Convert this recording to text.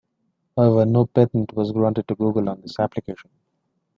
However, no patent was granted to Google on this application.